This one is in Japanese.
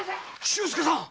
周介さん。